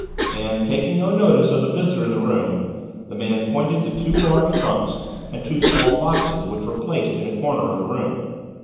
and taking no notice of the visitor in the room, the man pointed to two large trunks and two small boxes which were placed in a corner of the room.